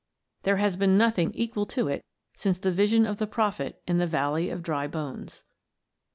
There has been nothing equal to it since the vision of the prophet in the Valley of Dry Bones.